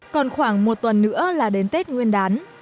còn khoảng một tuần nữa là đến tết nguyên đán